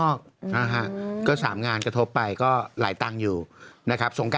โอโหสงการไม่ได้จัดเลยน้อง